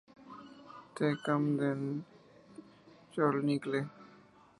The Camden Chronicle